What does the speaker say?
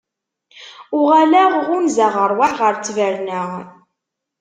Uɣaleɣ ɣunzaɣ rrwaḥ ɣer ttbernat.